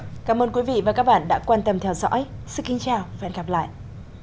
hẹn gặp lại các bạn trong những video tiếp theo